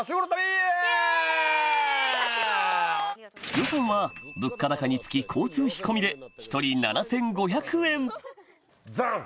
予算は物価高につき交通費込みで１人７５００円ジャン！